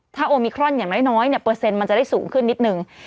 ถ้าโอมิครอนอย่างน้อยเปอร์เซ็นต์มันจะได้สูงขึ้นนิดนึง